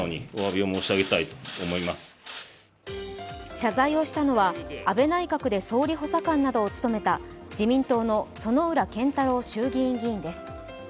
謝罪をしたのは安倍内閣で総理補佐官などを務めた自民党の薗浦健太郎衆議院議員です。